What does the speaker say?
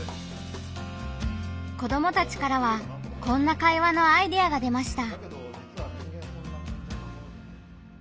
子どもたちからはこんな会話のアイデアが出ました。